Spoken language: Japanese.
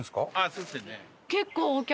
そうですね。